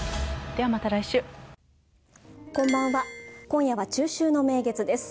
今夜は中秋の名月です。